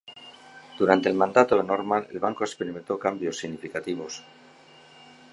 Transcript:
Durante el mandato de Norman, el banco experimentó cambios significativos.